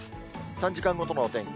３時間ごとのお天気。